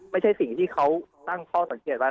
ไม่ใช่สิ่งที่เขาตั้งข้อสังเกตว่า